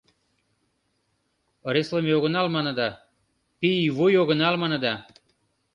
– Ыреслыме огынал маныда, пийвуй огынал маныда.